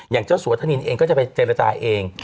อย่างเจ้าสัวธนินเองก็จะไปเจรจาเอง